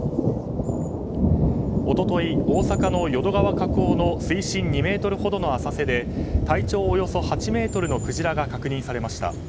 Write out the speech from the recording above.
一昨日、大阪の淀川河口の水深２ｍほどの浅瀬で体長およそ８ｍのクジラが確認されました。